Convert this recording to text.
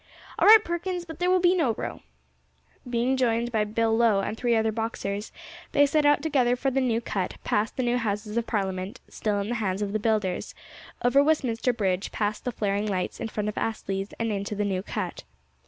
"All right, Perkins, but there will be no row." Being joined by Bill Lowe and three other boxers, they set out together for the New Cut; past the New Houses of Parliament still in the hands of the builders over Westminster Bridge, past the flaring lights in front of Astley's, and into the New Cut.